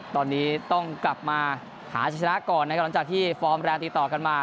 ตอนนี้ต้องกลับมาหาชนะก่อนนะครับหลังจากที่ฟอร์มแรงติดต่อกันมา